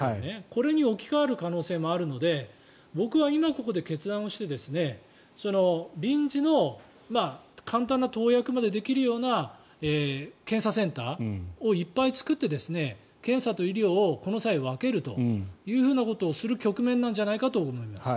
これに置き換わる可能性もあるので僕は今、ここで決断をして臨時の簡単な投薬までできるような検査センターをいっぱい作って検査と医療をこの際、分けるということをする局面なんじゃないかなと思います。